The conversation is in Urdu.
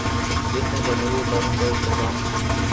جس نے جمہوری اداروں کو استحکام